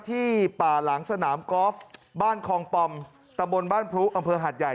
ที่ป่าหลังสนามกอล์ฟบ้านคองปอมตะบนบ้านพลุอำเภอหาดใหญ่